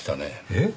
えっ？